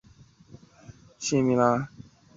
身为后辈的我们